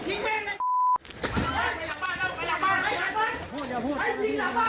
เตรียมภูมิใหม่อยู่ร่างกาย